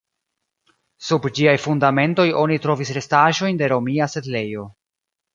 Sub ĝiaj fundamentoj oni trovis restaĵojn de romia setlejo.